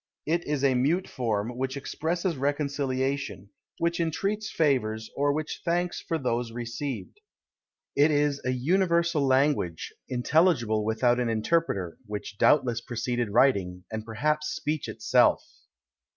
It is a mute form, which expresses reconciliation, which entreats favours, or which thanks for those received. It is an universal language, intelligible without an interpreter; which doubtless preceded writing, and perhaps speech itself.